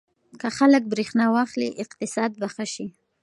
که خلک برېښنا واخلي اقتصاد به ښه شي.